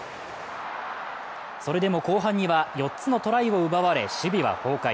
それでも、後半には４つのトライを奪われ、守備は崩壊。